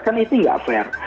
kan itu tidak fair